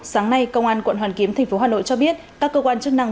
sáng nay công an quận hoàn kiếm thành phố hà nội cho biết các cơ quan chức năng